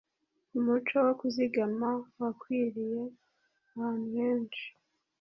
Umuco wo kuzigama wakwiriye ahantu henshi.